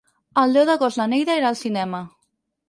El deu d'agost na Neida irà al cinema.